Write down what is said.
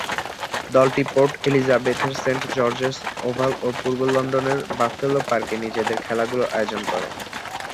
দলটি পোর্ট এলিজাবেথের Saint George's Oval ও পূর্ব লন্ডনের বাফেলো পার্কে নিজেদের খেলাগুলো আয়োজন করে।